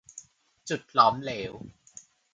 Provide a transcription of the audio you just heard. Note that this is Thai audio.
จุดหลอมเหลว